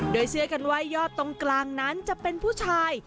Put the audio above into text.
โดยเชื่อกันว่ายอดตรงกลางนั้นจะเป็นผู้ชาย